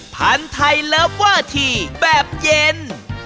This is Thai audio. ๑พันธ์ไทยเลอร์ว่าที่แบบเย็น